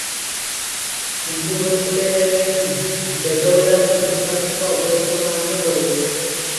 ହିନ୍ଦୁ ହୋଇଥିଲେ ବେଦ ବେଦାନ୍ତ ହିନ୍ଦୁଶାସ୍ତ୍ର ଅବଶ୍ୟ ମାନ୍ୟ କରିବେ।